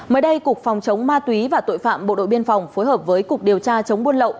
mới đây cục phòng chống ma túy và tội phạm bộ đội biên phòng phối hợp với cục điều tra chống buôn lậu